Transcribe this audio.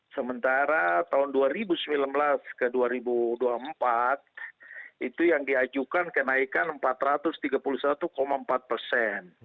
sementara tahun dua ribu sembilan belas ke dua ribu dua puluh empat itu yang diajukan kenaikan empat ratus tiga puluh satu empat persen